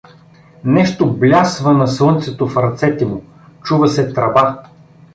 Нещо блясва на слънцето в ръцете му, чува се тръба.